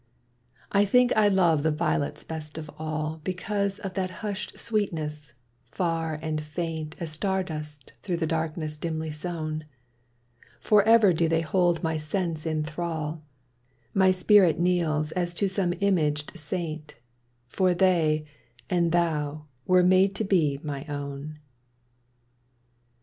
[i8] I think I love the violets best of all Because of that hushed sweetness, far and faint As star dust through the darkness dimly sown; Forever do they hold my sense in thrall, My spirit kneels as to some imaged saint — For they — and thou — were made to be my own.